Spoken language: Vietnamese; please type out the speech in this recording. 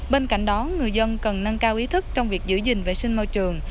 bên cạnh đó người dân cần nâng cao ý thức trong việc giữ gìn vệ sinh môi trường